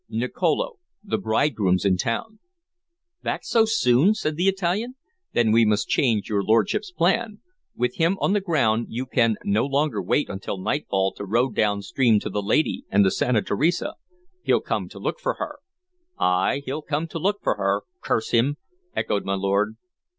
Nicolo, the bridegroom's in town." "Back so soon?" said the Italian. "Then we must change your lordship's plan. With him on the ground, you can no longer wait until nightfall to row downstream to the lady and the Santa Teresa. He'll come to look for her." "Ay he'll come to look for her, curse him!" echoed my lord.